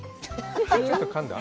ちょっとかんだ？